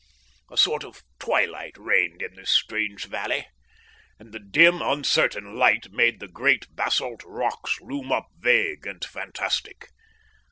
A sort of twilight reigned in this strange valley, and the dim, uncertain light made the great, basalt rocks loom up vague and fantastic.